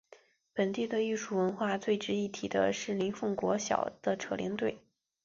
本地的艺术文化最值得一提的是林凤国小的扯铃队。